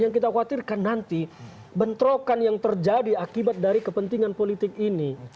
yang kita khawatirkan nanti bentrokan yang terjadi akibat dari kepentingan politik ini